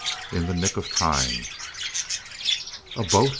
IN THE NICK OF TIME. "A boat!"